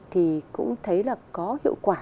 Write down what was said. thì cũng thấy là có hiệu quả